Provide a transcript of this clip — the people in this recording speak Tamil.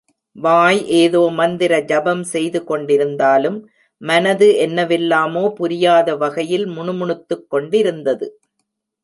வாய் ஏதோ மந்திர ஜபம் செய்து கொண்டிருந்தாலும், மனது என்னவெல்லாமோ புரியாத வகையில் முணுமுணுத்துக் கொண்டிருந்தது.